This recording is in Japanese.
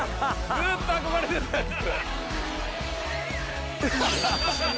ずっと憧れていたやつハハハ